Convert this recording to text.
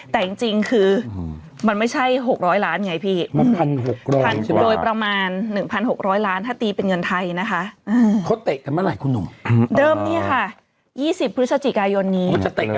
แต่จริงคือมันไม่ใช่๖๐๐ล้านไงพี่